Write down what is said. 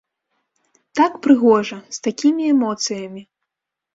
Так прыгожа, з такімі эмоцыямі!